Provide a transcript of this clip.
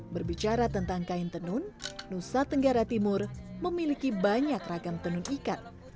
berbicara tentang kain tenun nusa tenggara timur memiliki banyak ragam tenun ikat